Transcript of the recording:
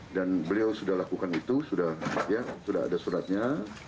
dan beliau sudah lakukan itu sudah ada suratnya